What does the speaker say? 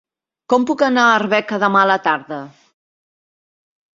Com puc anar a Arbeca demà a la tarda?